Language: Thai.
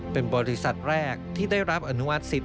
เป็นบริษัทแรกที่ได้รับอนุมัติสิทธ